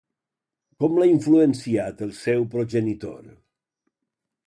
Com l'ha influenciat el seu progenitor?